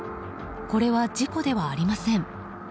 これは事故ではありません。